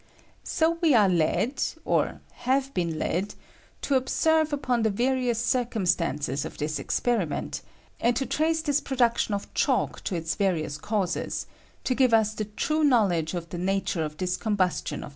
So we are led, or have been led, to ob serve upon the various circumstances of this experiment, and to trace this production of chalk to its various causes, to give ua the true knowledge of the nature of this combustion ■J ' CAEBONIC ACID FEOM THE CANDLE.